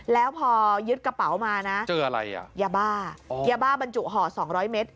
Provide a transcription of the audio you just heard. แล้วพอยึดกระเป๋ามานะยาบ้ายาบ้าบรรจุห่อ๒๐๐เมตร